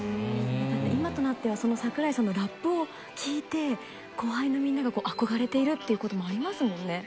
今となってはその櫻井さんのラップを聴いて後輩のみんなが憧れているってこともありますもんね。